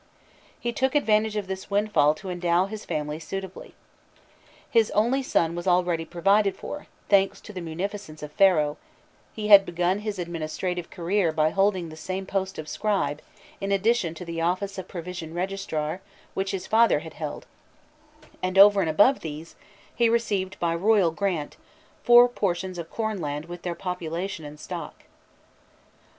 He took advantage of this windfall to endow his family suitably. His only son was already provided for, thanks to the munificence of Pharaoh; he had begun his administrative career by holding the same post of scribe, in addition to the office of provision registrar, which his father had held, and over and above these he received by royal grant, four portions of cornland with their population and stock.